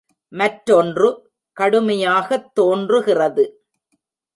மற்றொன்று கடுமையாகத் தோன்றுகிறது.